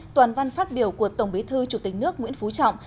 toàn văn phát biểu của tổng bí thư chủ tịch nước nguyễn phú trọng